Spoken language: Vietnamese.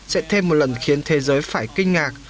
sẽ thêm một lần khiến thế giới phải kinh ngạc